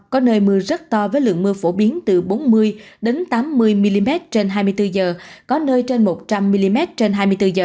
có nơi mưa rất to với lượng mưa phổ biến từ bốn mươi tám mươi mm trên hai mươi bốn h có nơi trên một trăm linh mm trên hai mươi bốn h